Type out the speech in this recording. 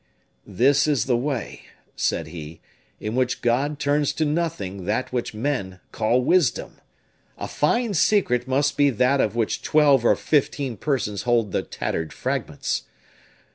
"This is the way," said he, "in which God turns to nothing that which men call wisdom! A fine secret must that be of which twelve or fifteen persons hold the tattered fragments!